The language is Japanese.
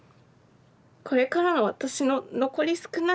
これからの私の残り少い